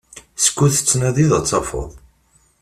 Skud tettnadiḍ ad tafeḍ.